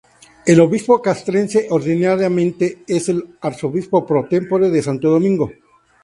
El obispo castrense ordinariamente es el arzobispo pro-tempore de Santo Domingo.